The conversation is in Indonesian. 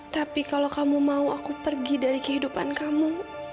tapi kalau kamu mau aku pergi dari kehidupan kamu